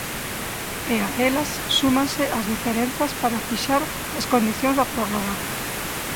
E a elas, súmanse as diferenzas para fixar as condicións da prórroga.